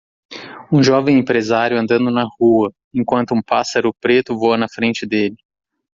Um jovem empresário andando na rua, enquanto um pássaro preto voa na frente dele.